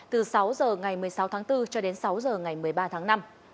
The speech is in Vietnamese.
từ sáu h ngày một mươi sáu tháng bốn cho đến sáu h ngày một mươi ba tháng năm